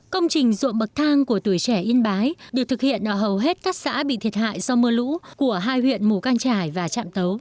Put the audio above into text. công trình ruộng bậc thang của tuổi trẻ yên bái được thực hiện ở hầu hết các xã bị thiệt hại do mưa lũ của hai huyện mù căng trải và trạm tấu